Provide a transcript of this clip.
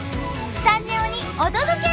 スタジオにお届け！